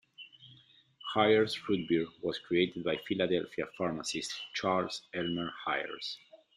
Hires Root Beer was created by Philadelphia pharmacist Charles Elmer Hires.